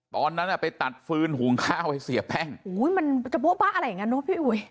ตอนนั้นอ่ะไปตัดฟืนหุงข้าวให้เสียแป้งอุ้ยมันจะโบ๊บะอะไรอย่างนั้นเนอะพี่อุ๋ย